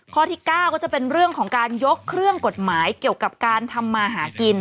ข้อที่๙ก็จะเป็นเรื่องของการยกเครื่องกฎหมายเกี่ยวกับการทำมาหากิน